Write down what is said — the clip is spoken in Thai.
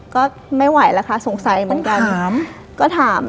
ก็ไม่ไหวแล้วค่ะสงสัยเหมือนกันก็ถาม